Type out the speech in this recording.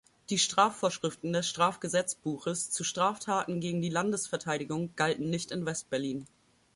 Die Strafvorschriften des Strafgesetzbuches zu Straftaten gegen die Landesverteidigung galten nicht in West-Berlin.